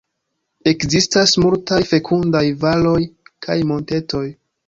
Ekzistas multaj fekundaj valoj kaj montetoj.